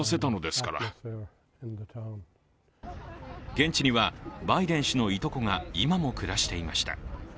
現地にはバイデン氏のいとこが今も暮らしていました。